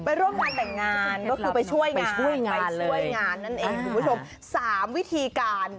ไปร่วมงานแต่งงานก็คือไปช่วยงาน